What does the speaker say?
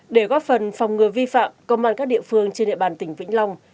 để góp phần phòng ngừa vi phạm công an các địa phương trên địa bàn tỉnh vĩnh long